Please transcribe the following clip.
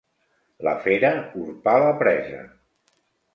La fera urpà la presa.